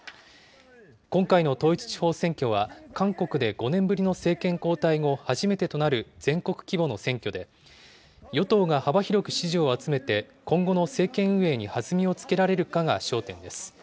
今回の統一地方選挙は、韓国で５年ぶりの政権交代後、初めてとなる全国規模の選挙で、与党が幅広く支持を集めて、今後の政権運営に弾みをつけられるかが焦点です。